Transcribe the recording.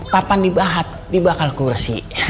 papan dibahat dibakal kursi